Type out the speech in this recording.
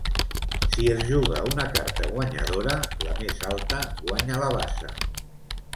Si es juga una carta guanyadora, la més alta guanya la basa.